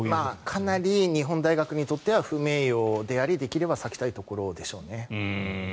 かなり日本大学にとっては不名誉でありできれば避けたいところでしょうね。